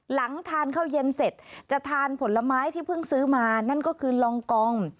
หลังทานข้าวเย็นเสร็จจะทานผลไม้ที่เพิ่งซื้อมานั่นก็คือลองกอง